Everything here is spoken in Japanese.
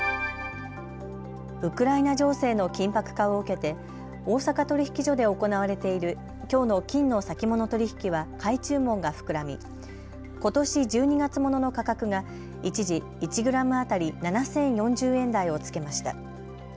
ウクライナ情勢の緊迫化を受けて大阪取引所で行われているきょうの金の先物取引は買い注文が膨らみことし１２月ものの価格が一時、１グラム当たり７０４０円台をつけました。